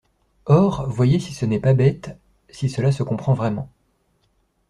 Or, voyez si ce n’est pas bête, Si cela se comprend vraiment.